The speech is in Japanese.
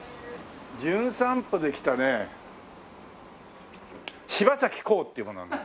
『じゅん散歩』で来たね柴咲コウっていう者なの。